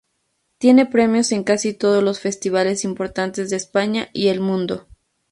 Tiene premios en casi todos los festivales importantes de España y el mundo.